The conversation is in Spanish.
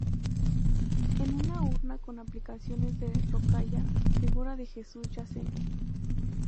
En una urna con aplicaciones de rocalla figura de Jesús yacente.